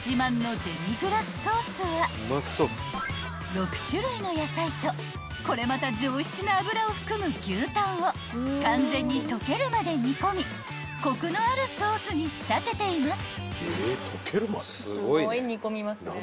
［６種類の野菜とこれまた上質な脂を含む牛タンを完全に溶けるまで煮込みコクのあるソースに仕立てています］